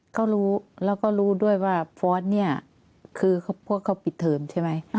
เขารู้แล้วก็รู้ด้วยว่าฟอร์สเนี่ยคือพวกเขาปิดเทอมใช่ไหม